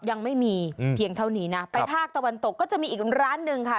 ยังไม่มีเพียงเท่านี้นะไปภาคตะวันตกก็จะมีอีกร้านหนึ่งค่ะ